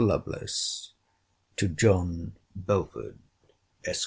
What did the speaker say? LOVELACE, TO JOHN BELFORD, ESQ.